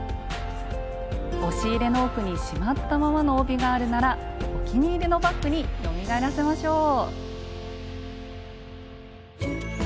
押し入れの奥にしまったままの帯があるならお気に入りのバッグによみがえらせましょう！